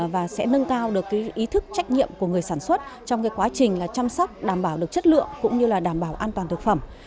và sẽ nâng cao được ý thức trách nhiệm của người sản xuất trong quá trình chăm sóc đảm bảo được chất lượng cũng như là đảm bảo an toàn thực phẩm